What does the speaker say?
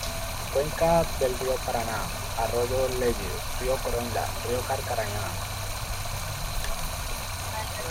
Cuenca del río Paraná: arroyo Leyes, río Coronda, río Carcarañá.